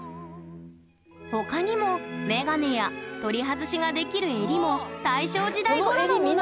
他にもメガネや取り外しができるえりも大正時代ごろのもの